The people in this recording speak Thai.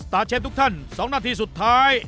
เชฟทุกท่าน๒นาทีสุดท้าย